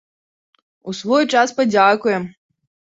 У свой час падзякуем!